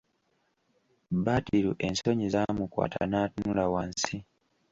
Badru ensonyi zaamukwata n'atunula wansi.